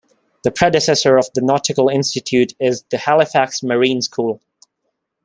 The predecessor of the Nautical Institute is the Halifax Marine School.